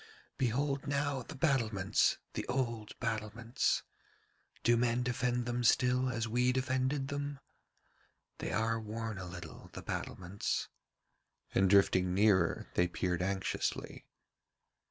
'Behold now the battlements, the old battlements. Do men defend them still as we defended them? They are worn a little, the battlements,' and drifting nearer they peered anxiously.